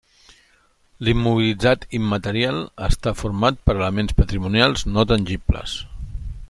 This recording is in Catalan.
L'immobilitzat immaterial està format per elements patrimonials no tangibles.